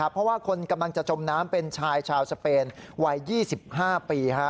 เพราะว่าคนกำลังจะจมน้ำเป็นชายชาวสเปนวัย๒๕ปี